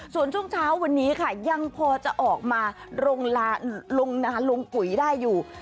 ส่วนช่วงเช้าวันนี้ค่ะยังพอจะออกมาลงนาลงปุ๋ยได้อยู่